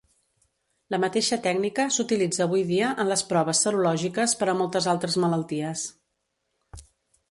La mateixa tècnica s'utilitza avui dia en les proves serològiques per a moltes altres malalties.